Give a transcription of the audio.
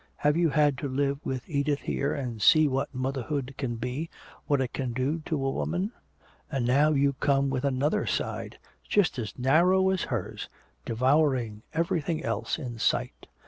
Have you had to live with Edith here and see what motherhood can be, what it can do to a woman? And now you come with another side, just as narrow as hers, devouring everything else in sight!